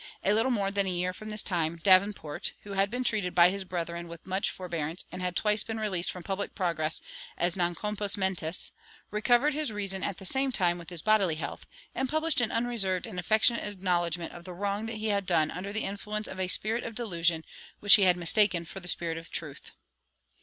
A little more than a year from this time, Davenport, who had been treated by his brethren with much forbearance and had twice been released from public process as non compos mentis, recovered his reason at the same time with his bodily health, and published an unreserved and affectionate acknowledgment of the wrong that he had done under the influence of a spirit of delusion which he had mistaken for the Spirit of truth.